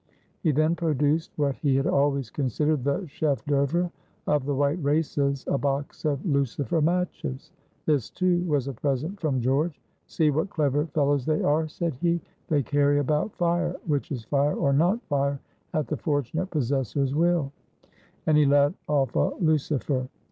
He then produced what he had always considered the chef d'oeuvre of the white races, a box of lucifer matches; this, too, was a present from George. "See what clever fellows they are," said he, "they carry about fire, which is fire or not fire at the fortunate possessor's will;" and he let off a lucifer.